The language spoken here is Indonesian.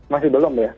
masih belum ya